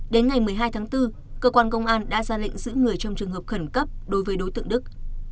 đến ngày một mươi hai tháng bốn cơ quan công an đã ra lệnh giữ người trong trường hợp khẩn cấp đối với đối tượng đức